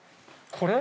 これ？